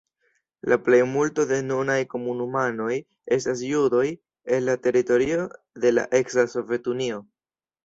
La plejmulto de nunaj komunumanoj estas judoj el la teritorio de la eksa Sovetunio.